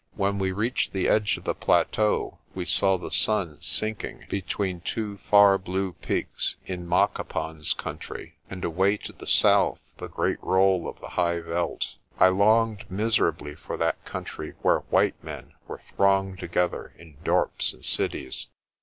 When we reached the edge of the plateau we saw the sun sinking between two far blue peaks in Maka pan's Country, and away to the south the great roll of the high veld. I longed miserably for that country where white men were thronged together in dorps and cities.